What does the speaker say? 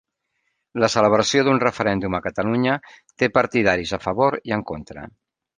La celebració d'un referèndum a Catalunya té partidaris a favor i en contra